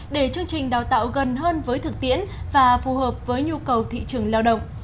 để chương trình đào tạo gần hơn với thực tiễn và phù hợp với nhu cầu thị trường lao động